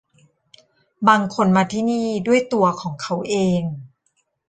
บางคนมาที่นี่ด้วยตัวของเค้าเอง